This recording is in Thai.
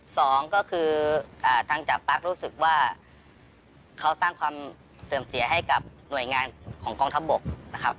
สองก็คือทางจับปั๊กรู้สึกว่าเขาสร้างความเสื่อมเสียให้กับหน่วยงานของกองทัพบกนะครับ